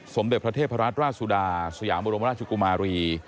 สมเด็จประเทศราชราชสุดาสุยามรมราชชุกุมารี